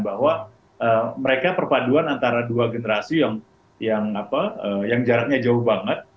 bahwa mereka perpaduan antara dua generasi yang yang apa yang jaraknya jauh banget